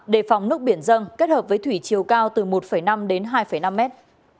đề phòng nước biển dân kết hợp với thủy chiều cao từ một năm đến hai năm mét